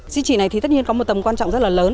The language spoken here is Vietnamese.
di trị này thì tất nhiên có một tầm quan trọng rất là lớn